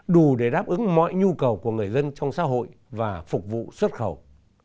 đủ để đáp ứng mọi nhu cầu của người dân trong xã hội và phục vụ xuất khẩu